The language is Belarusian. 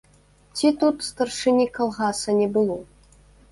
Ці тут старшыні калгаса не было?